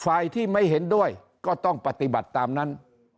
ฝ่ายที่ไม่เห็นด้วยก็ต้องปฏิบัติตามนั้น